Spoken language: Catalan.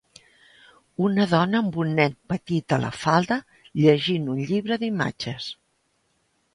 Una dona amb un nen petit a la falda llegint un llibre d'imatges.